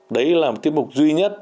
đấy là một tiết mục duy nhất